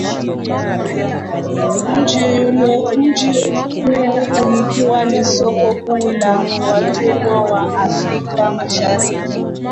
Mji huo ulikuwa ni soko kuu la watumwa kwa Afrika mashariki